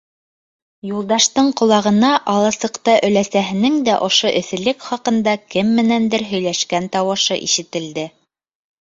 Юлдаштың ҡолағына аласыҡта өләсәһенең дә ошо эҫелек хаҡында кем менәндер һөйләшкән тауышы ишетелде.